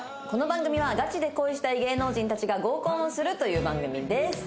この番組はガチで恋したい芸能人たちが合コンをするという番組です。